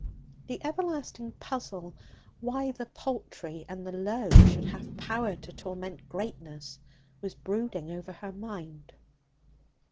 The everlasting puzzle, why the paltry and the low should have power to torment greatness, was brooding over her mind.